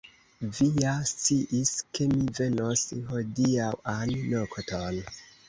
Vi ja sciis, ke mi venos hodiaŭan nokton!